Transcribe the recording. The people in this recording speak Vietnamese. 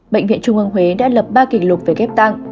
bệnh viện trung ương huế đã lập ba kỷ lục về ghép tặng